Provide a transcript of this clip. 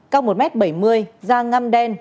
cao một m bảy mươi da ngăm đen